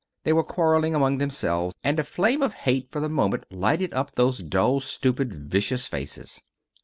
They were quarreling among themselves, and a flame of hate for the moment lighted up those dull, stupid, vicious faces.